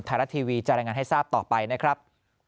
ไทยรัฐทีวีจะรายงานให้ทราบต่อไปนะครับ